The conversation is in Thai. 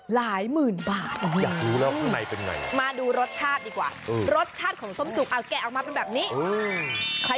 หลายหมื่นบาทอยากรู้แล้วข้างในเป็นไงมาดูรสชาติดีกว่ารสชาติของส้มจุกเอาแกะออกมาเป็นแบบนี้